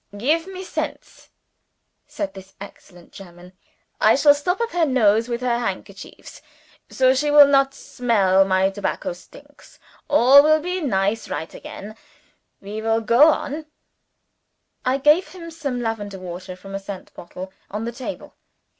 "Gif me scents," said this excellent German. "I shall stop up her nose with her handkerchiefs. So she will not smell my tobacco stinks all will be nice right again we shall go on." I gave him some lavender water from a scent bottle on the table.